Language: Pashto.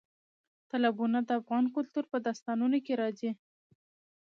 تالابونه د افغان کلتور په داستانونو کې راځي.